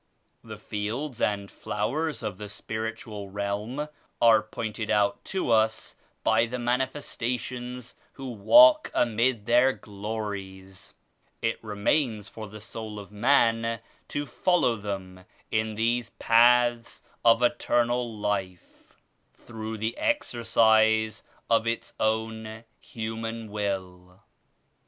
The fields and flowers of the Spiritual Realm are pointed out to us by the Manifesta tions who walk amid their glories. It remains for the soul of man to follow them in these paths of eternal life, through the exercise of its own human will.